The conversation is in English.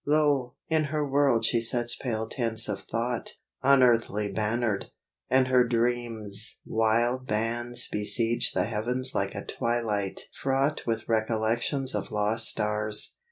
Lo! in her world she sets pale tents of thought, Unearthly bannered; and her dreams' wild bands Besiege the heavens like a twilight fraught With recollections of lost stars.